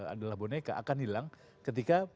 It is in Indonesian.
adalah boneka akan hilang ketika